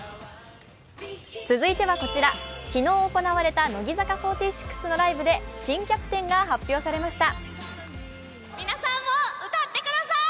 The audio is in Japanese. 続いてはこちら、昨日行われた乃木坂４６のライブで新キャプテンが発表されました。